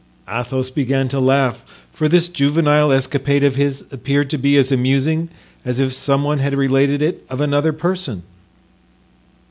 Athos began to laugh, for this juvenile escapade of his appeared to be as amusing as if some one had related it of another person.